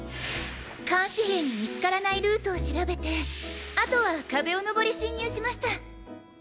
監視兵に見つからないルートを調べてあとは壁を登り侵入しました！